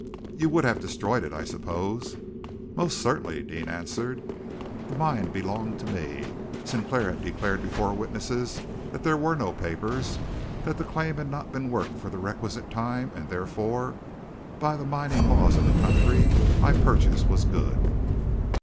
"You would have destroyed it, I suppose?" "Most certainly!" Deane answered. "The mine belonged to me. Sinclair had declared before witnesses that there were no papers, that the claim had not been worked for the requisite time; and, therefore, by the mining laws of the country my purchase was good."